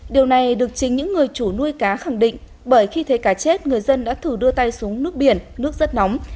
điều này được chính những người chủ nuôi cá khẳng định bởi khi thấy cá chết người dân đã thử đưa tay xuống nước biển nước rất nóng